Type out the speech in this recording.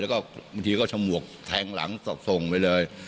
แล้วบางทีก็จะหมวกแท่งหลังทรงไว้เลย